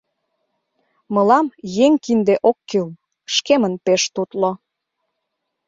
— Мылам еҥ кинде ок кӱл, шкемын пеш тутло.